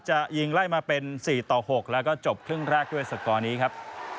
จะยิงไล่มาเป็น๔ต่อ๖แล้วก็จบครึ่งแรกด้วยสกอร์นี้ครับ